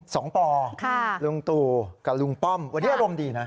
ปอค่ะลุงตู่กับลุงป้อมวันนี้อารมณ์ดีนะ